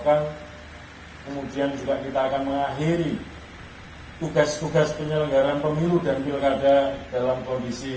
kemudian juga kita akan mengakhiri tugas tugas penyelenggaraan pemilu dan pilkada dalam kondisi